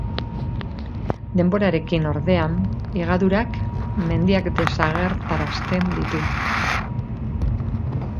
Denborarekin, ordea, higadurak mendiak desagerrarazten ditu.